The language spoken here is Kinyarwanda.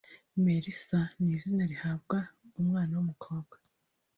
Melissa ni izina rihabwa umwana w’umukobwa